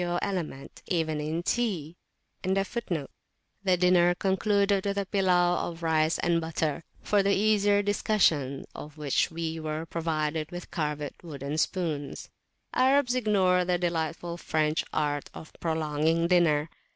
[FN#16] The dinner concluded with a pillaw of rice and butter, for the easier discussion of which we were provided with carved wooden spoons. Arabs ignore the delightful French art of prolonging a dinner.